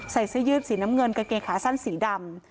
เสื้อยืดสีน้ำเงินกางเกงขาสั้นสีดำ